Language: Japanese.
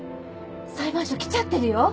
裁判所来ちゃってるよ。